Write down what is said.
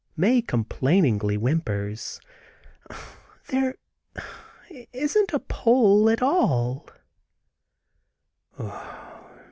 Mae complainingly whimpers: "There isn't a pole at all!"